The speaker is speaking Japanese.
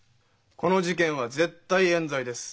この事件は絶対冤罪です。